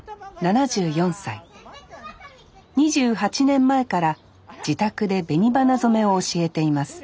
２８年前から自宅で紅花染めを教えています